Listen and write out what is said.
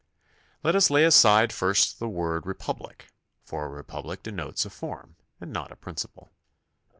Let us lay aside first the word republic, for a republic denotes a form and not a principle.